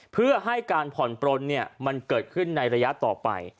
เพื่อให้การผ่อนปลนมันเกิดขึ้นในระยะต่อไป